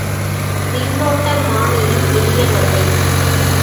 மின்னோட்ட மானியின் எளிய வகை.